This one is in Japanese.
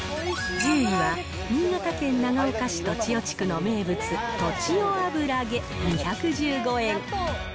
１０位は新潟県長岡市栃尾地区の名物、栃尾あぶらあげ２１５円。